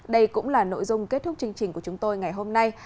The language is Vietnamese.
đây cũng là nội dung kết thúc chương trình của chúng tôi ngày hôm nay